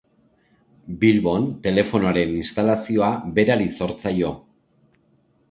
Bilbon telefonoaren instalazioa berari zor zaio.